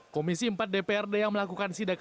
komisi empat dprd yang melakukan sidak